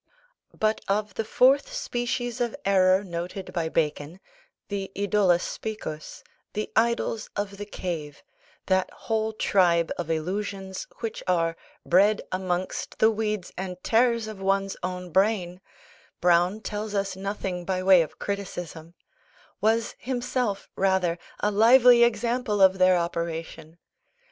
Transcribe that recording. But of the fourth species of error noted by Bacon, the Idola Specus, the Idols of the Cave, that whole tribe of illusions, which are "bred amongst the weeds and tares of one's own brain," Browne tells us nothing by way of criticism; was himself, rather, a lively example of their operation.